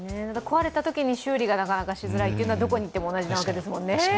壊れたときに修理がなかなかしづらいというのはどこにいっても同じですもんね。